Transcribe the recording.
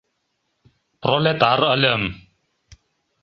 Пролетар ыльым.